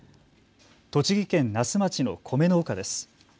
栃木県那須町の米農家です。